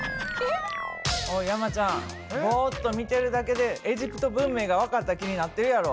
ボッと見てるだけでエジプト文明が分かった気になってるやろ。